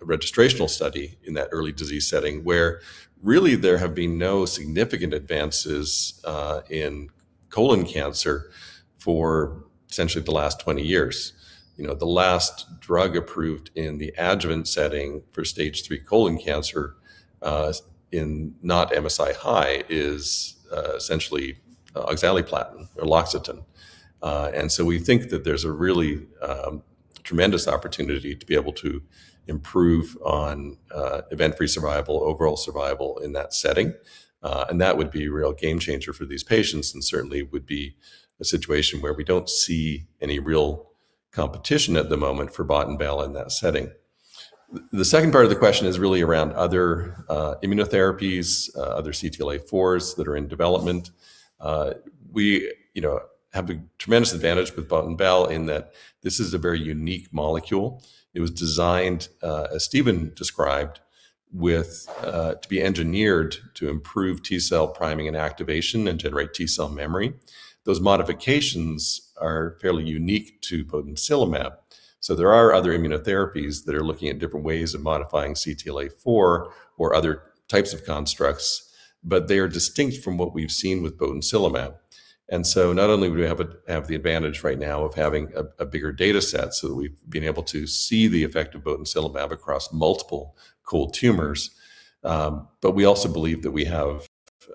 registrational study in that early disease setting where really there have been no significant advances in colon cancer for essentially the last 20 years. You know, the last drug approved in the adjuvant setting for stage three colon cancer in not MSI-high is essentially oxaliplatin or Eloxatin. We think that there's a really tremendous opportunity to be able to improve on event-free survival, overall survival in that setting, and that would be a real game changer for these patients and certainly would be a situation where we don't see any real competition at the moment for bot and bal in that setting. The second part of the question is really around other immunotherapies, other CTLA-4s that are in development. We you know have a tremendous advantage with bot and bal in that this is a very unique molecule. It was designed as Steven described to be engineered to improve T cell priming and activation and generate T cell memory. Those modifications are fairly unique to botensilimab. There are other immunotherapies that are looking at different ways of modifying CTLA-4 or other types of constructs, but they are distinct from what we've seen with Botensilimab. Not only do we have the advantage right now of having a bigger dataset so that we've been able to see the effect of Botensilimab across multiple cold tumors, but we also believe that we have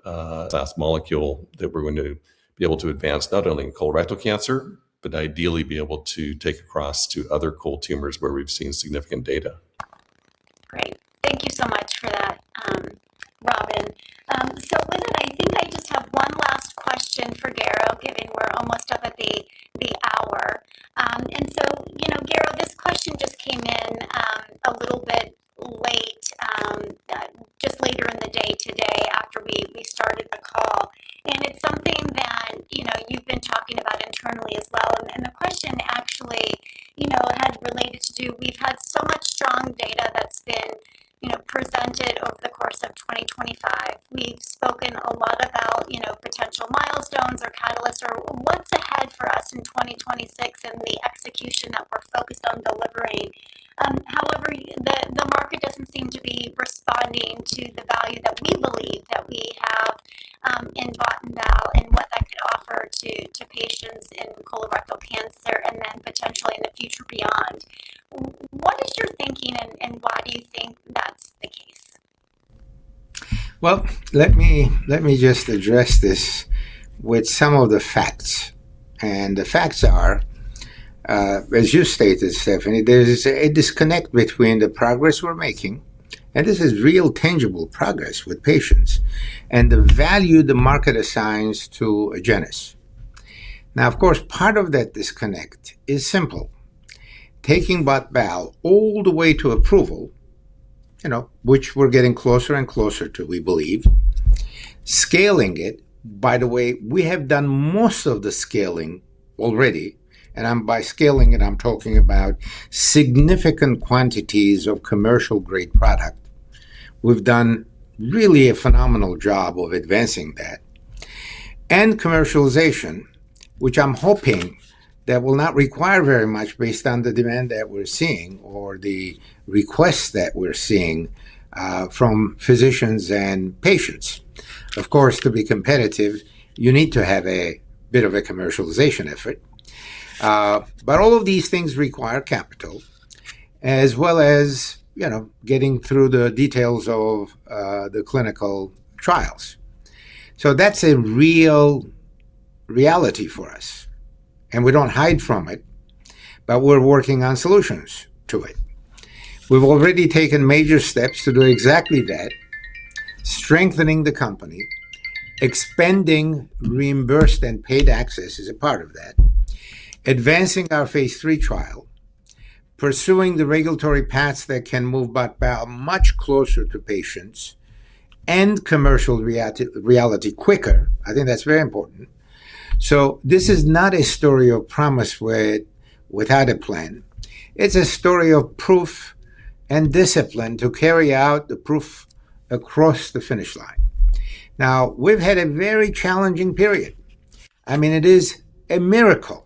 a class molecule that we're going to be able to advance not only in colorectal cancer, but ideally be able to take across to other cold tumors where we've seen significant data. Great. Thank you so much for that, Robin. I think I just have one last question for Garo given we're almost up at the hour. You know, Garo, this question just came in, a little bit late, just later in the day today after we started the call, and it's something that, you know, you've been talking about internally as well. The question actually, you know, has related to we've had so much strong data that's been, you know, presented over the course of 2025. We've spoken a lot about, you know, potential milestones or catalysts or what's ahead for us in 2026 and the execution that we're focused on delivering. However, the market doesn't seem to be responding to the value that we believe that we have in bot and bal and what that could offer to patients in colorectal cancer and then potentially in the future beyond. What is your thinking and why do you think that's the case? Well, let me just address this with some of the facts. The facts are, as you stated, Stefanie, there is a disconnect between the progress we're making, and this is real tangible progress with patients, and the value the market assigns to Agenus. Now, of course, part of that disconnect is simple. Taking bot/bal all the way to approval, you know, which we're getting closer and closer to, we believe, scaling it. By the way, we have done most of the scaling already, and, by scaling it, I'm talking about significant quantities of commercial-grade product. We've done really a phenomenal job of advancing that. Commercialization, which I'm hoping that will not require very much based on the demand that we're seeing or the requests that we're seeing from physicians and patients. Of course, to be competitive, you need to have a bit of a commercialization effort. All of these things require capital as well as, you know, getting through the details of the clinical trials. That's a real reality for us, and we don't hide from it, but we're working on solutions to it. We've already taken major steps to do exactly that, strengthening the company, expanding reimbursed and paid access is a part of that, advancing our phase III trial, pursuing the regulatory paths that can move bot/bal much closer to patients and commercial reality quicker. I think that's very important. This is not a story of promise without a plan. It's a story of proof and discipline to carry out the proof across the finish line. Now, we've had a very challenging period. I mean, it is a miracle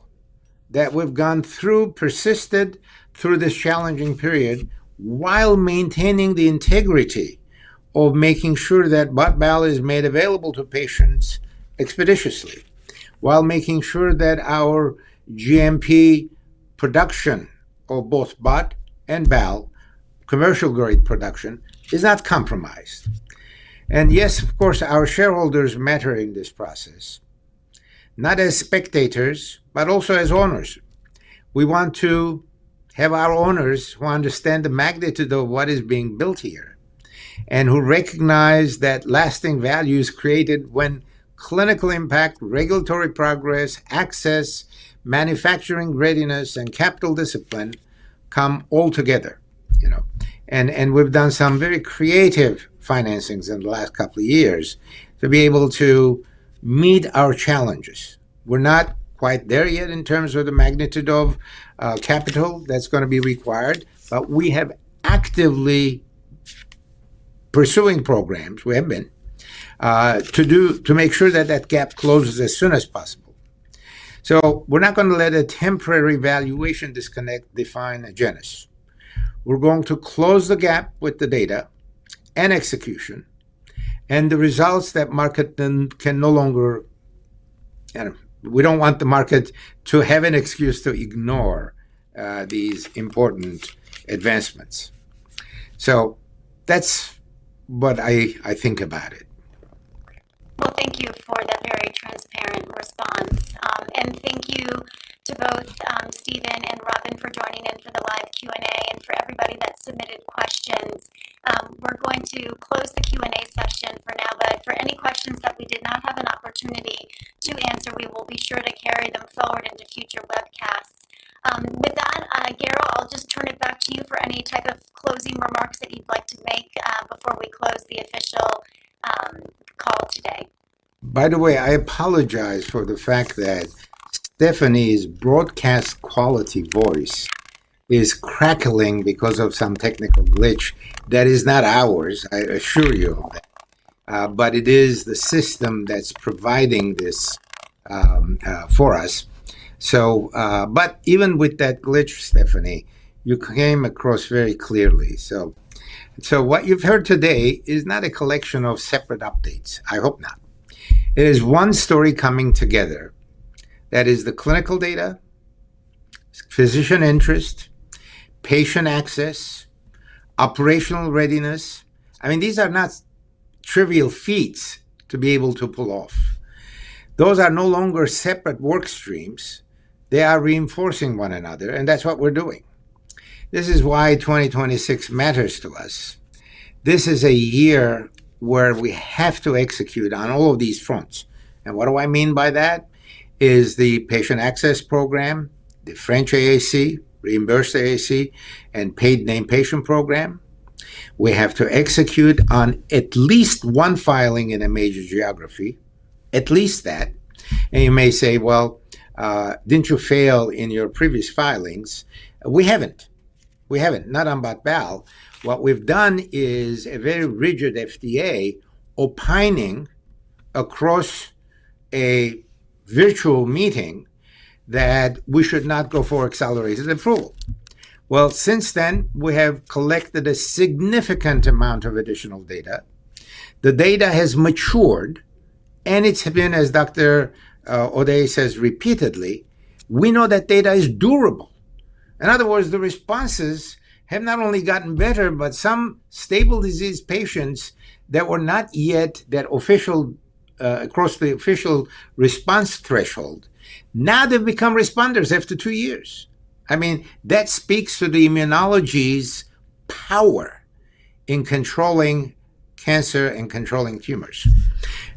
that we've gone through, persisted through this challenging period while maintaining the integrity of making sure that bot/bal is made available to patients expeditiously, while making sure that our GMP production of both bot and bal, commercial-grade production, is not compromised. Yes, of course, our shareholders matter in this process, not as spectators, but also as owners. We want to have our owners who understand the magnitude of what is being built here and who recognize that lasting value is created when clinical impact, regulatory progress, access, manufacturing readiness, and capital discipline come all together, you know. We've done some very creative financings in the last couple of years to be able to meet our challenges. We're not quite there yet in terms of the magnitude of capital that's gonna be required, but we have been actively pursuing programs to make sure that that gap closes as soon as possible. We're not gonna let a temporary valuation disconnect define Agenus. We're going to close the gap with the data and execution and the results that the market can no longer ignore. You know, we don't want the market to have an excuse to ignore these important advancements. That's what I think about it. Well, thank you for that very transparent response. Thank you to both Steven and Robin for joining in for the live Q&A and for everybody that submitted questions. We're going to close the Q&A session for now. For any questions that we did not have an opportunity to answer, we will be sure to carry them forward into future webcasts. With that, Garo, I'll just turn it back to you for any type of closing remarks that you'd like to make before we close the official call today. By the way, I apologize for the fact that Stefanie's broadcast quality voice is crackling because of some technical glitch that is not ours, I assure you. But it is the system that's providing this, for us. But even with that glitch, Stefanie, you came across very clearly. What you've heard today is not a collection of separate updates. I hope not. It is one story coming together. That is the clinical data, physician interest, patient access, operational readiness. I mean, these are not trivial feats to be able to pull off. Those are no longer separate work streams. They are reinforcing one another, and that's what we're doing. This is why 2026 matters to us. This is a year where we have to execute on all of these fronts. What do I mean by that? In the patient access program, the French AAC, reimbursed AAC, and named patient program, we have to execute on at least one filing in a major geography, at least that. You may say, Well, didn't you fail in your previous filings? We haven't. Not on bot/bal. What we've done is a very rigid FDA opinion in a virtual meeting that we should not go for accelerated approval. Well, since then, we have collected a significant amount of additional data. The data has matured, and it's been, as Dr. O'Day says repeatedly, we know that data is durable. In other words, the responses have not only gotten better, but some stable disease patients that were not yet across the official response threshold, now they've become responders after two years. I mean, that speaks to the immunology's power in controlling cancer and controlling tumors.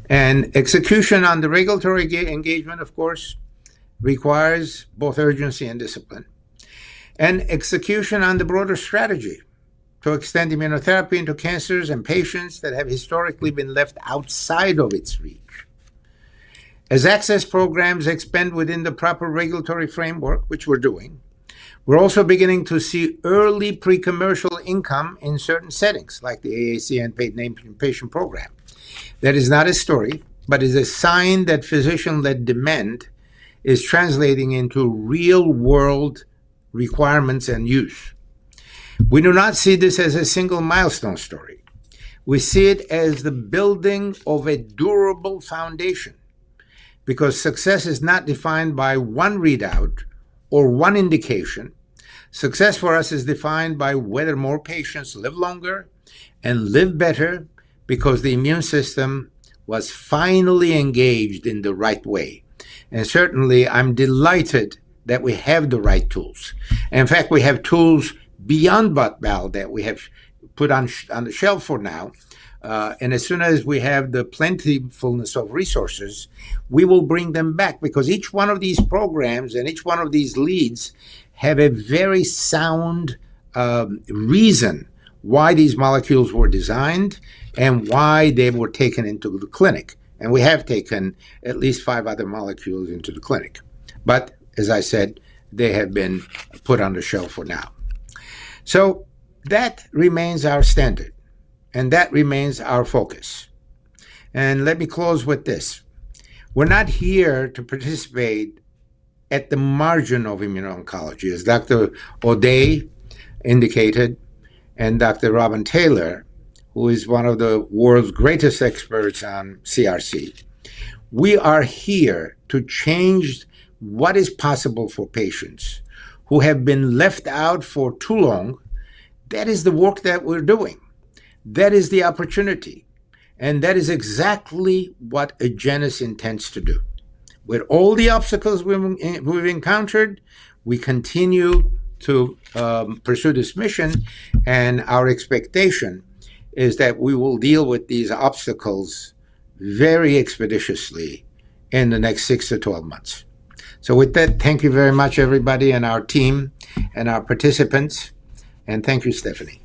Execution on the regulatory engagement, of course, requires both urgency and discipline. Execution on the broader strategy to extend immunotherapy into cancers and patients that have historically been left outside of its reach. As access programs expand within the proper regulatory framework, which we're doing, we're also beginning to see early pre-commercial income in certain settings, like the AAC and named patient program. That is not a story, but is a sign that physician-led demand is translating into real-world requirements and use. We do not see this as a single milestone story. We see it as the building of a durable foundation because success is not defined by one readout or one indication. Success for us is defined by whether more patients live longer and live better because the immune system was finally engaged in the right way. Certainly, I'm delighted that we have the right tools. In fact, we have tools beyond bot/bal that we have put on the shelf for now. As soon as we have the plentifulness of resources, we will bring them back because each one of these programs and each one of these leads have a very sound reason why these molecules were designed and why they were taken into the clinic. We have taken at least five other molecules into the clinic. As I said, they have been put on the shelf for now. That remains our standard, and that remains our focus. Let me close with this. We're not here to participate at the margin of immuno-oncology, as Dr. O'Day indicated, and Dr. Robin Taylor, who is one of the world's greatest experts on CRC. We are here to change what is possible for patients who have been left out for too long. That is the work that we're doing. That is the opportunity. That is exactly what Agenus intends to do. With all the obstacles we've encountered, we continue to pursue this mission, and our expectation is that we will deal with these obstacles very expeditiously in the next six to 12 months. With that, thank you very much, everybody in our team and our participants. Thank you, Stefanie.